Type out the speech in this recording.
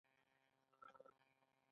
دوی د مسلکي قوانینو مطابق ژوند کوي.